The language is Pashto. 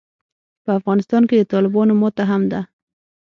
په افغانستان کې د طالبانو ماته هم ده.